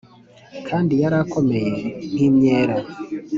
kandi yari akomeye nk’imyela